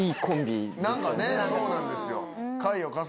何かねそうなんですよ。